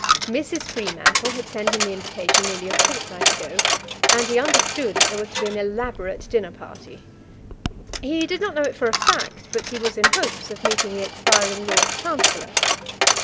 Mrs. Freemantle had sent him the invitation nearly a fortnight ago, and he understood there was to be an elaborate dinner party. He did not know it for a fact, but he was in hopes of meeting the expiring Lord Chancellor.